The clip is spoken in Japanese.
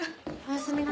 おやすみ。